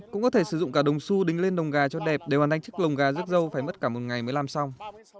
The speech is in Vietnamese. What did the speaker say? cũng có thể sử dụng cả đồng su đính lên lồng gà cho đẹp để hoàn thành chiếc lồng gà rước dâu phải mất cả một ngày mới làm xong